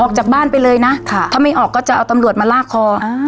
ออกจากบ้านไปเลยนะถ้าไม่ออกก็จะเอาตำรวจมาลากคออ่า